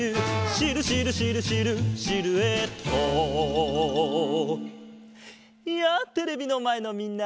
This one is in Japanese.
「シルシルシルシルシルエット」やあテレビのまえのみんな！